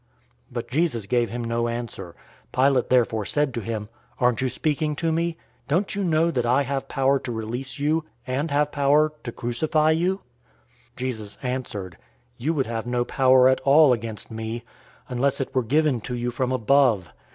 But Jesus gave him no answer. 019:010 Pilate therefore said to him, "Aren't you speaking to me? Don't you know that I have power to release you, and have power to crucify you?" 019:011 Jesus answered, "You would have no power at all against me, unless it were given to you from above.